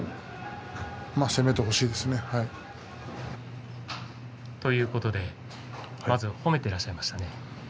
攻めてほしいですね。ということでまずは褒めていましたね。